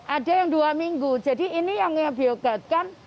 ada yang dua minggu jadi ini yang biogat kan